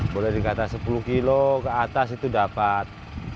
boleh dikata sepuluh kilo ke atas itu dapat